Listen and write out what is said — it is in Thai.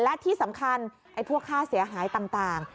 และที่สำคัญไอ้พวกค่าเสียหายต่าง